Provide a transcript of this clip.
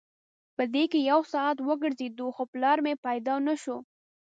په دې کې یو ساعت وګرځېدو خو پلار مې پیدا نه شو.